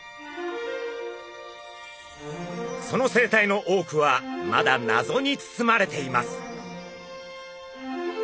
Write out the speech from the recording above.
その生態の多くはまだ謎に包まれています。